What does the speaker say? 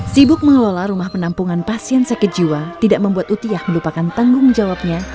sibuk mengelola rumah penampungan pasien sakit jiwa tidak membuat utiah melupakan tanggung jawabnya